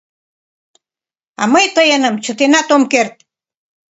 — А мый тыйыным чытенак ом керт.